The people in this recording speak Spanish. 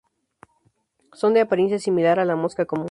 Son de apariencia similar a la mosca común.